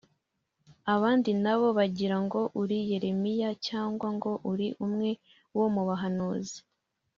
abandi nabo bagira ngo uri Yeremiya cyangwa ngo uri umwe wo mu bahanuzi